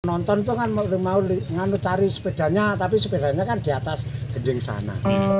nonton itu kan mau cari sepedanya tapi sepedanya kan di atas anjing sana